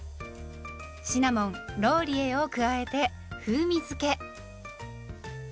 シナモンローリエを加えて風味づけ。